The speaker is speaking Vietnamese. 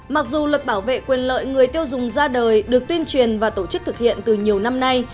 mặc dù luật bảo vệ quyền lợi người tiêu dùng ra đời được tuyên truyền và tổ chức thực hiện từ nhiều năm nay